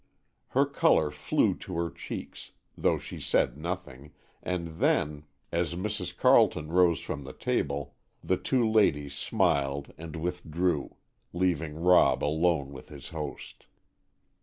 Her color flew to her cheeks, though she said nothing, and then, as Mrs. Carleton rose from the table, the two ladies smiled and withdrew, leaving Rob alone with his host.